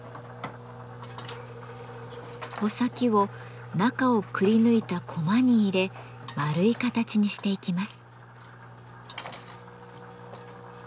穂先を中をくりぬいたコマに入れ丸い形にしていきます。